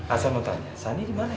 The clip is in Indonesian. asal mau tanya sani dimana ibu